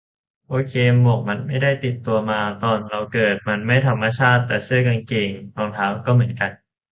โอเค หมวกมันไม่ได้ติดตัวมาตอนเราเกิด มัน 'ไม่ธรรมชาติ'. แต่เสื้อกางเกงรองเท้า ก็เหมือนกัน.